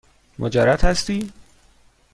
مجرد هستی؟